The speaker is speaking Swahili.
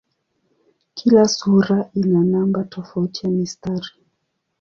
Kila sura ina namba tofauti ya mistari.